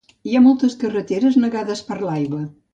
Hi ha algunes carreteres negades per l’aigua.